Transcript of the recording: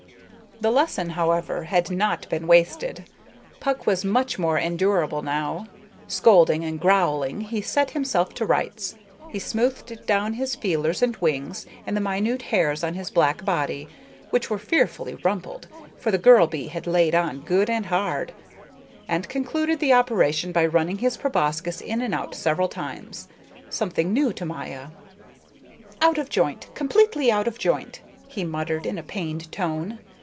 The lesson, however, had not been wasted. Puck was much more endurable now. Scolding and growling he set himself to rights. He smoothed down his feelers and wings and the minute hairs on his black body which were fearfully rumpled; for the girl bee had laid on good and hard and concluded the operation by running his proboscis in and out several times something new to Maya. "Out of joint, completely out of joint!" he muttered in a pained tone.